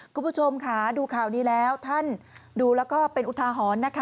คุณผู้ชมค่ะดูข่าวนี้แล้วท่านดูแล้วก็เป็นอุทาหรณ์นะคะ